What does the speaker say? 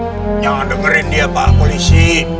jangan dengerin dia pak polisi